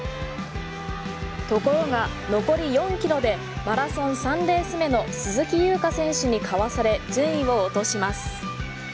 ところが残り４キロでマラソン３レース目の鈴木優花選手にかわされ順位を落とします。